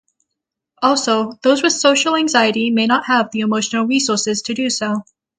Also, those with social anxiety may not have the emotional resources to do so.